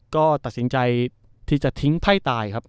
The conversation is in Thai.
ก็ตัดสินใจที่จะทิ้งไพ่ตายครับ